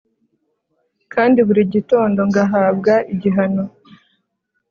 kandi buri gitondo ngahabwa igihano